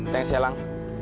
thanks ya lang